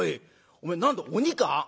おめえ何だ鬼か？